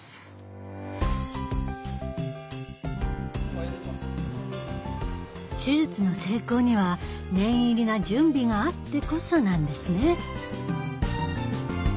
これ血管から手術の成功には念入りな準備があってこそなんですね。